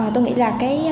tôi nghĩ là cái